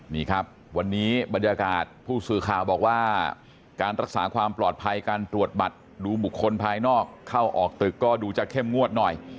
นี่ครับวันนี้บรรยากาศผู้สื่อข่าวบอกว่าการรักษาความปลอดภัยการตรวจบัตรดูบุคคลภายนอกเข้าออกตึกก็ดูจะเข้มงวดหน่อย